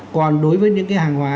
còn đối với những cái hàng hóa